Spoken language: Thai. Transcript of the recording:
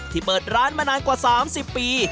เปิดร้านมานานกว่า๓๐ปี